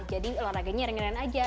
jadi olahraganya ringan ringan aja